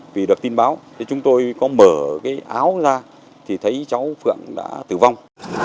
vì được tin báo thì chúng tôi có mở cái áo ra thì thấy cháu phượng đã tử vong